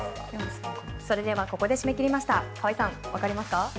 それではここで締め切りました川合さん、わかりますか？